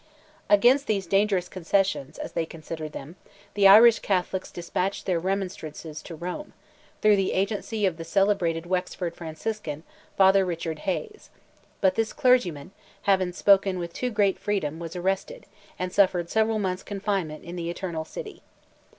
Against these dangerous concessions, as they considered them, the Irish Catholics despatched their remonstrances to Rome, through the agency of the celebrated Wexford Franciscan, Father Richard Hayes; but this clergyman, having spoken with too great freedom, was arrested, and suffered several months' confinement in the Eternal City.